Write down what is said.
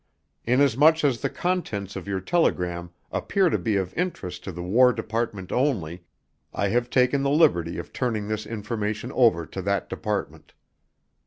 Inasmuch as the contents of your telegram appear to be of interest to the War Department only, I have taken the liberty of turning this information over to that Department.